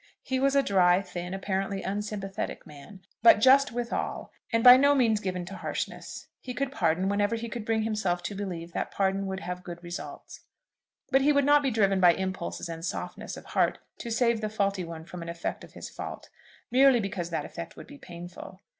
He was a dry, thin, apparently unsympathetic man, but just withal, and by no means given to harshness. He could pardon whenever he could bring himself to believe that pardon would have good results; but he would not be driven by impulses and softness of heart to save the faulty one from the effect of his fault, merely because that effect would be painful.